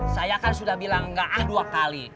saya kan sudah bilang enggak ah dua kali